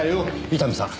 伊丹さん